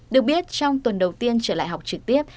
được biết trong tuần đầu tiên trở lại học trực tiếp